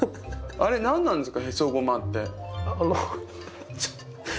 あかなんですか？